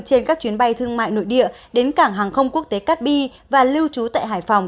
trên các chuyến bay thương mại nội địa đến cảng hàng không quốc tế cát bi và lưu trú tại hải phòng